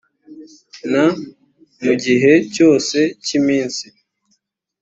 n mu gihe cyose cy iminsi